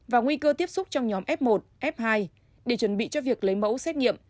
và nguy cơ tiếp xúc trong nhóm f một f hai để chuẩn bị cho việc lấy mẫu xét nghiệm